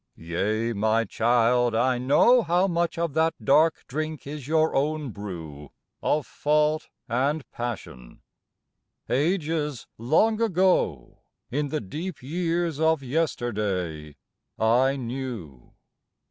Yea, my child, I know How much of that dark drink is your own brew Of fault and passion. Ages long ago, In the deep years of yesterday, I knew.